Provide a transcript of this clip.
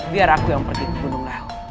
biar aku yang pergi ke gunung